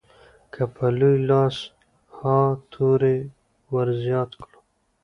که په لوی لاس ها توری ورزیات کړو.